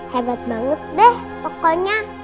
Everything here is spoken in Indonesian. hebat banget deh pokoknya